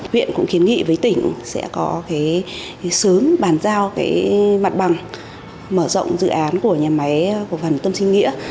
huyện cũng kiến nghị với tỉnh sẽ có cái sớm bàn giao mặt bằng mở rộng dự án của nhà máy cổ phần tâm sinh nghĩa